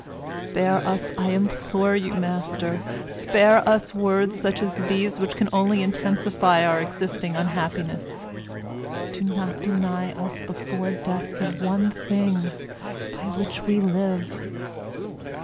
Spare us, I implore you, master, spare us words such as these which can only intensify our existing unhappiness; do not deny us, before death, the one thing by which we live.